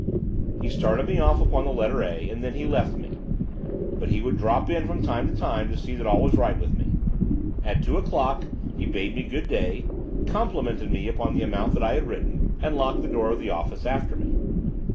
He started me off upon the letter A, and then he left me; but he would drop in from time to time to see that all was right with me. At two o'clock he bade me good day, complimented me upon the amount that I had written, and locked the door of the office after me.